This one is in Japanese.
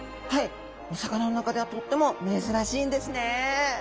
お魚の中ではとっても珍しいんですね。